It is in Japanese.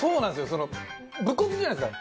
その武骨じゃないですか。